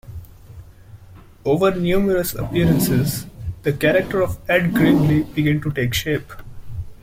Over numerous appearances, the character of Ed Grimley began to take shape.